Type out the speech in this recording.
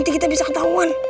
kita bisa ketahuan